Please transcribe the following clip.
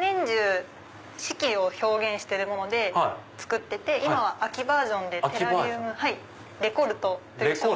年中四季を表現してるもので作ってて今は秋バージョンでテラリウム・レコルトという商品。